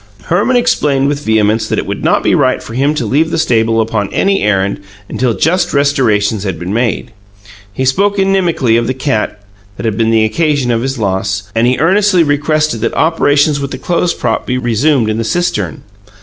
Herman explained with vehemence that it would not be right for him to leave the stable upon any errand until just restorations had been made. He spoke inimically of the cat that had been the occasion of his loss, and he earnestly requested that operations with the clothes prop be resumed in the cistern.